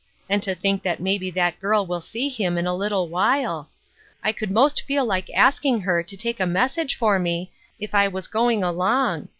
And to think that maybe that girl will see him in a little while ! I could most feel like asking her to take a message for me, if I was going along.